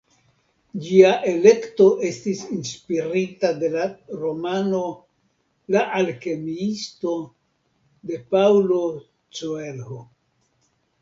Ĝia elekto estis inspirita de la romano "La alkemiisto" de Paulo Coelho.